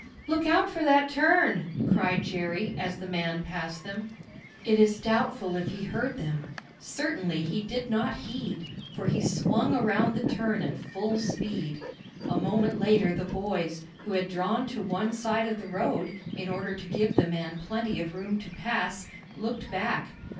"Look out for that turn!" cried Jerry, as the man passed them. It is doubtful if he heard them. Certainly he did not heed, for he swung around the turn at full speed. A moment later the boys, who had drawn to one side of the road, in order to give the man plenty of room to pass, looked back.